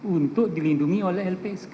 untuk dilindungi oleh lpsk